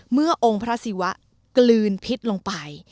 เมื่อองค์พระศิวะกลืนพิษลงไป